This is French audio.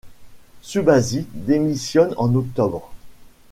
Šubašić démissionne en octobre.